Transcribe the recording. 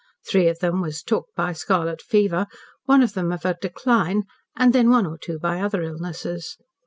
Three of them "was took" by scarlet fever, then one of a "decline," then one or two by other illnesses.